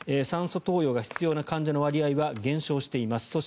酸素投与が必要な患者の割合は減少しています。